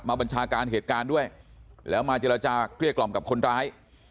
บัญชาการเหตุการณ์ด้วยแล้วมาเจรจาเกลี้ยกล่อมกับคนร้าย